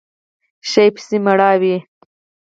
شي پسې مړاوی